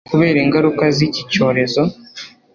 kubera ingaruka z'iki cyorezo